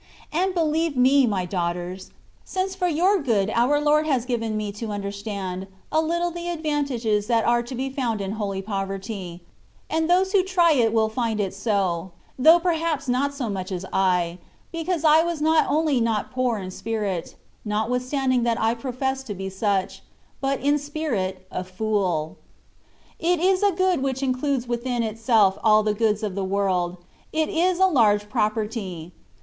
And believe me, my daughters ; since for your good our Lord has given me to understand a little the advan tages that are to be found in holy poverty ; and those who try it will find it so, though perhaps not so much as I, because I was not only not poor in spirit (notwithstanding that I professed to be such) — but in spirit a fool. It is a good which includes within itself all the goods of this world : it is a large property."